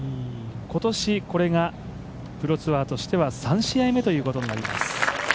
今年これがプロツアーとしては３試合目ということになります。